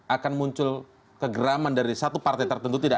akan muncul kegeraman dari satu partai tertentu tidak